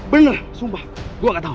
bener sumpah gue gak tau